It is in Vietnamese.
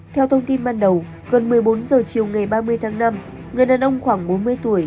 theo thông tin ban đầu gần một mươi bốn h chiều ngày ba mươi tháng năm người đàn ông khoảng bốn mươi tuổi